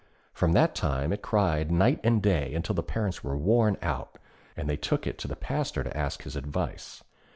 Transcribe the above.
From that time it cried night and day until the parents were worn out, and they took it to the Pastor to ask his advice.